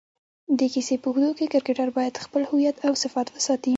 د کیسې په اوږدو کښي کرکټرباید خپل هویت اوصفات وساتي.